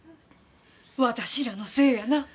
私らのせいやな。